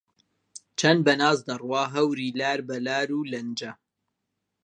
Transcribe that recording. چەند بە ناز دەڕوات هەوری لار بە لارو لەنجە